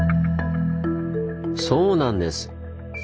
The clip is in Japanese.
そうなんです！